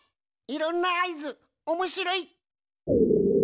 いろんなあいずおもしろい！